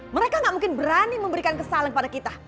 mereka gak mungkin berani memberikan kesalahan pada kita